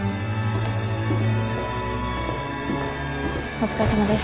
お疲れさまです。